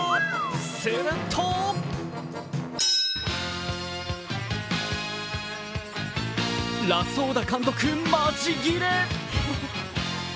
するとラソーダ監督、マジギレ。